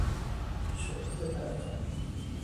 شایعات پراکنده